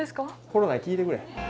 コロナに聞いてくれ。